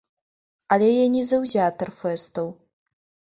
Але я не заўзятар фэстаў.